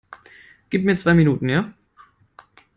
Gib mir zwei Minuten, ja?